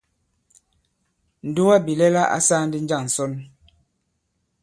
Ǹdugabìlɛla ǎ sāā ndī njâŋ ǹsɔn ?